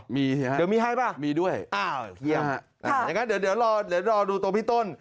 มีใช่ไหมครับเดี๋ยวมีให้ป่ะมีด้วยอ้าวเพียงอย่างนั้นเดี๋ยวรอดูตัวพี่ต้น